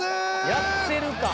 やってるか。